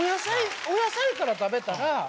お野菜から食べたら。